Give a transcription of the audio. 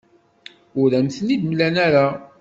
Ur am-ten-id-mlan ara.